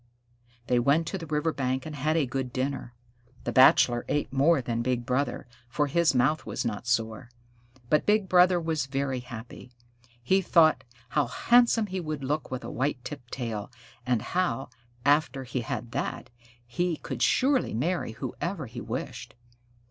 They went to the river bank and had a good dinner. The Bachelor ate more than Big Brother, for his mouth was not sore. But Big Brother was very happy. He thought how handsome he would look with a white tipped tail, and how, after he had that, he could surely marry whoever he wished.